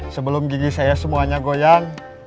sebelum gigi saya semuanya goyang